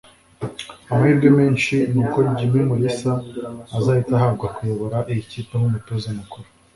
amahirwe menshi ni uko Jimmy Mulisa azahita ahabwa kuyobora iyi kipe nk’ umutoza mukuru